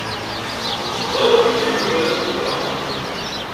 Ẓriɣ belli Yuba d asebbaɣ.